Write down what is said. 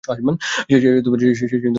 শেষে আমি অভিনেত্রী হয়েছি।